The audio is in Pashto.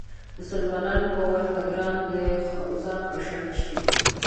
مسلمان به ورته ګران د ځان په شان شي